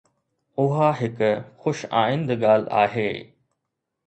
اها هڪ خوش آئند ڳالهه آهي.